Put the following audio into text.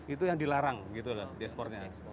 itu yang dilarang gitu loh ekspornya ekspor